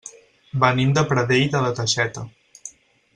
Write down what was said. Venim de Pradell de la Teixeta.